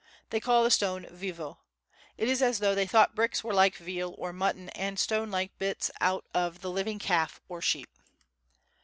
They call the stone "vivo." It is as though they thought bricks were like veal or mutton and stones like bits out of the living calf or sheep.